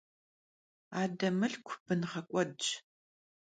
Ade mılhku bınğek'uedş.